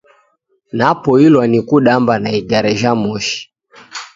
Napoilwa ni kudamba na igare jha mosi